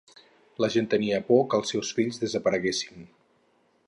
La gent tenia por que els seus fills desapareguessin.